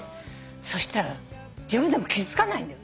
そしたら自分でも気付かないんだよ。